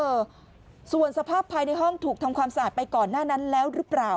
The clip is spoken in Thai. เออส่วนสภาพภายในห้องถูกทำความสะอาดไปก่อนหน้านั้นแล้วหรือเปล่า